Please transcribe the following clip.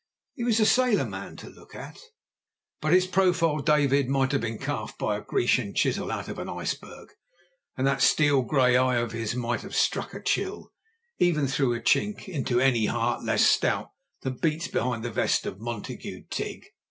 He was a sailor man to look at; but his profile, David, might have been carved by a Grecian chisel out of an iceberg, and that steel grey eye of his might have struck a chill, even through a chink, into any heart less stout than beats behind the vest of Montague Tigg.